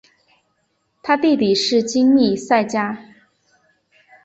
他的弟弟是金密萨加。